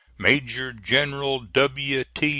MAJOR GENERAL W. T.